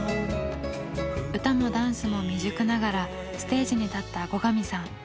歌もダンスも未熟ながらステージに立った後上さん。